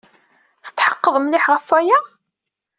Tetḥeqqeḍ mliḥ ɣef waya?